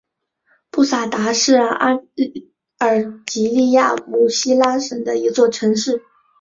布萨达是阿尔及利亚姆西拉省的一座城市。